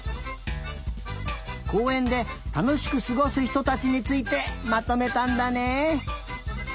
こうえんでたのしくすごすひとたちについてまとめたんだね。